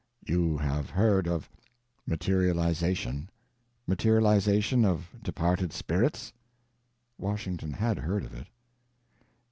"You have heard of materialization—materialization of departed spirits?" Washington had heard of it.